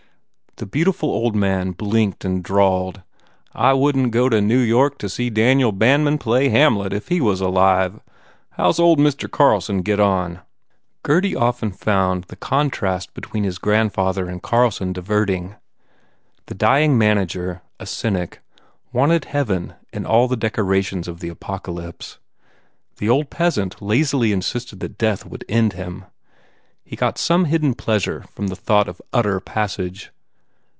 The beautiful old man blinked and drawled, "I wouldn t go up to N York to see Daniel Bandmann play Hamlet if he was alive. How s old Mr. Carlson get on?" 196 COSMO RAND Gurdy often found the contrast between his grandfather and Carlson diverting. The dying manager, a cynic, wanted Heaven in all the dec orations of the Apocalypse. The old peasant lazily insisted that death would end him. He got some hidden pleasure from the thought of utter passage.